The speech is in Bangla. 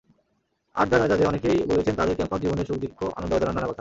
আড্ডার মেজাজে অনেকেই বলেছেন তঁাদের ক্যাম্পাস জীবনের সুখ–দুঃখ, আনন্দ–বেদনার নানা কথা।